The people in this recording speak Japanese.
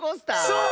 そう！